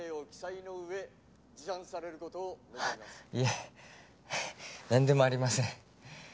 いえなんでもありません。